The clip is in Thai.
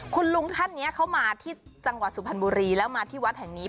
คุณลุงท่านนี้เข้ามาที่จังหวัดสุพรรณบุรีแล้วมาที่วัดแห่งนี้